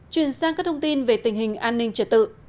chuyển sang các thông tin về tình hình an ninh trật tự